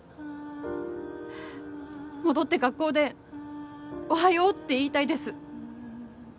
戻って学校で「おはよう」って言いたいです